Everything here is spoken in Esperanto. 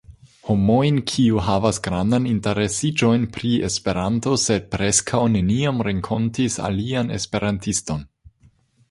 Homojn, kiuj havas grandan interesiĝon pri Esperanto, sed preskaŭ neniam renkontis alian esperantiston.